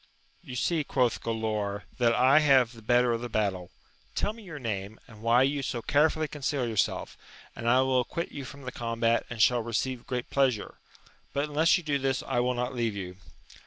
You see, quoth Galaor, that I have the better of the battle ; tell me your name, and why you so carefully conceal yourself, and I will acquit you from the combat and shall receive great pleasure ; but unless you do this I will not leave you.